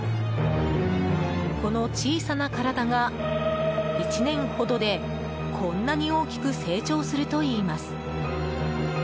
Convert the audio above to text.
この小さな体が、１年ほどでこんなに大きく成長するといいます。